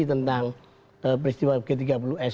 tentang peristiwa g tiga puluh s